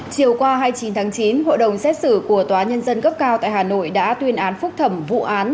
chiều qua hai mươi chín tháng chín hội đồng xét xử của tòa nhân dân cấp cao tại hà nội đã tuyên án phúc thẩm vụ án